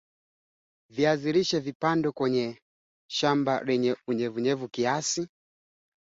kuhusu kile ambacho baadhi ya waangalizi wanakielezea kama uhalifu wa kivita unaofanywa na vikosi vya Russia nchini Ukraine.